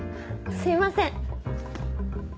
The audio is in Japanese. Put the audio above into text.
すいません。